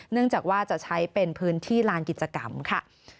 จากว่าจะใช้เป็นพื้นที่ลานกิจกรรมค่ะ